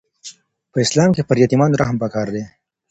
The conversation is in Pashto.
په اسلام کي پر یتیمانو رحم پکار دی.